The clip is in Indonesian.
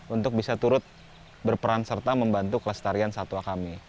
untuk bisa turut berperan serta membantu kelestarian satwa kami